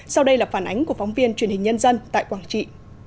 sau đây là phản ánh của phóng viên truyền hình nhân dân tại quảng trị